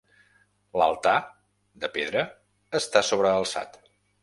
L'altar, de pedra, està sobrealçat.